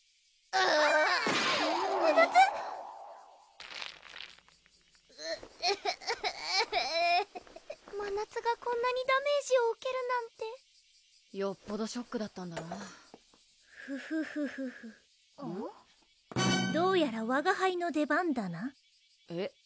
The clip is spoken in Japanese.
うぅうぅうぅうんまなつがこんなにダメージを受けるなんてよっぽどショックだったんだなフフフフフどうやらわがはいの出番だなえっ？